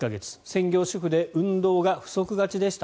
専業主婦で運動が不足がちでした。